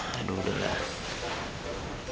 aduh udah lah